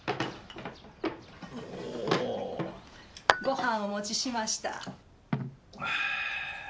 ご飯をお持ちしました。